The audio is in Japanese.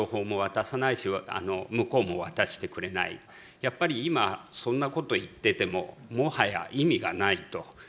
やっぱり今そんなこと言っててももはや意味がないと。